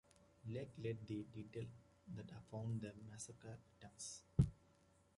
Lake led the detail that found the massacre victims.